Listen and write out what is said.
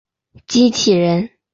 机器人。